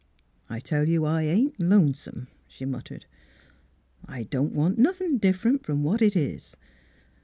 " I tell you I ain't lonesome," she mut tered. " I don't want nothin' different from what it is.